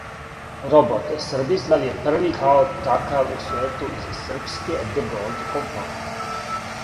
Робот Србислав је први као такав у свету из Србске ДГолд компаније!